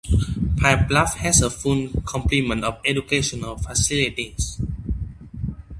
Pine Bluff has a full complement of educational facilities.